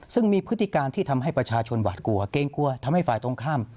ซึ่งมีพฤติการที่ทำให้ประชาชนหวาดกลัวเกรงกลัวทำให้ฝ่ายตรงข้าม